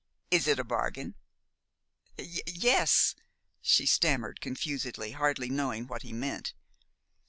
Is it a bargain?" "Y yes," she stammered confusedly, hardly knowing what he meant.